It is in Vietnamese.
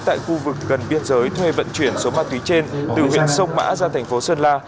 tại khu vực gần biên giới thuê vận chuyển số ma túy trên từ huyện sông mã ra thành phố sơn la